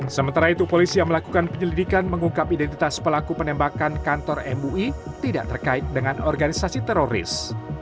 sementara itu polisi yang melakukan penyelidikan mengungkap identitas pelaku penembakan kantor mui tidak terkait dengan organisasi teroris